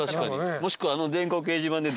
もしくはあの電光掲示板で。